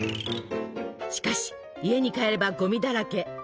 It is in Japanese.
しかし家に帰ればゴミだらけ。